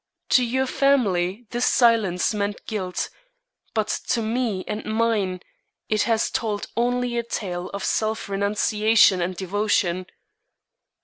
To your family this silence meant guilt, but to me and mine it has told only a tale of self renunciation and devotion.